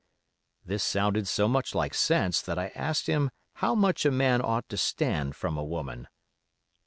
"This sounded so much like sense that I asked him how much a man ought to stand from a woman.